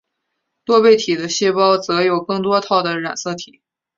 多倍体的细胞则有更多套的染色体。